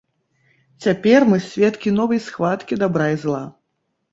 Цяпер мы сведкі новай схваткі дабра і зла.